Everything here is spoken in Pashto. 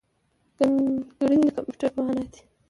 ګڼکړنی د کمپیوټر په مانا دی.